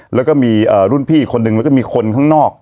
แล้วก็มีรุ่นพี่อีกคนนึงแล้วก็มีคนข้างนอก